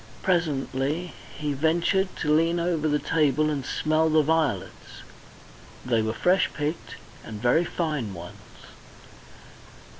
Presently he ventured to lean over the table and smell the violets; they were fresh picked and very fine ones.